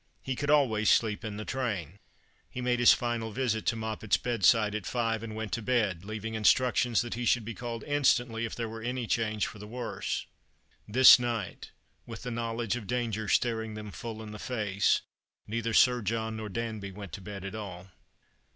He could always sleep in the train. He made his final visit to ]\Ioppet's bedside at five, and went to bed, leaving instructions that he should be called instantly if there were any change for the worse. This night— with the knowledge of danger staring them full in the face — neither Sir John nor Danby went to bed at all.